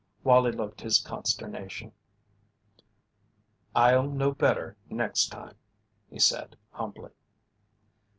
Wallie looked his consternation. "I'll know better next time," he said, humbly.